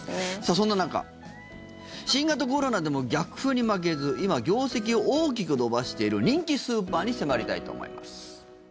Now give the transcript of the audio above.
そんな中、新型コロナでも逆風に負けず今、業績を大きく伸ばしている人気スーパーに迫りたいと思います。